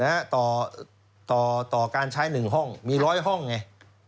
๓๐๐๐นะต่อการใช้๑ห้องมี๑๐๐ห้องไง